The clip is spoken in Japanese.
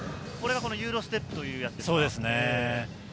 ユーロステップというやそうですね。